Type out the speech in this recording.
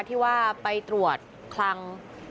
ที่ว่าไปตรวจคลัง